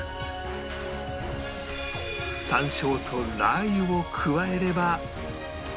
山椒とラー油を加えれば